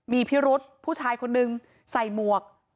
มีพิรุษผู้ชายคนนึงใส่หมวก